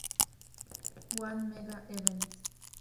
One Mega-Event".